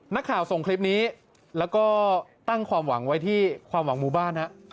นักข่าวส่งคลิปนี้แล้วก็ตั้งความหวังไว้ที่ความหวังหมู่บ้านฮะ